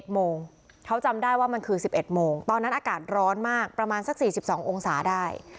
โมงเขาจำได้ว่ามันคือ๑๑โมงตอนนั้นอากาศร้อนมากประมาณสัก๔๒องศาได้